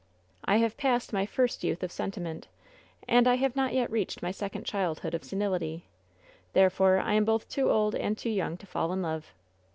"I have passed my first youth of sentiment, and I have not yet reached my second childhood of senility! Therefore, I am both too old and too young to fall in love."